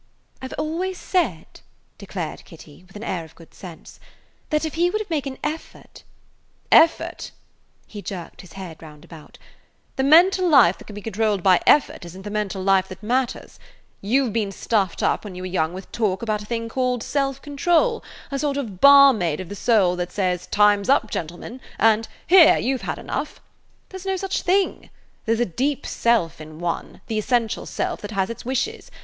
"I 've always said," declared Kitty, with an air of good sense, "that if he would make an effort–" "Effort!" He jerked his round head about. "The mental life that can be controlled by effort is n't the mental life that matters. You 've been stuffed up when you were young with talk about a thing called self control, a sort of barmaid of the soul that says, 'Time 's up, gentlemen,' and 'Here, you 've had enough.' [Page 160] There 's no such thing. There 's a deep self in one, the essential self, that has its wishes.